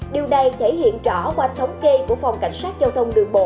điều này thể hiện rõ qua thống kê của phòng cảnh sát giao thông đường bộ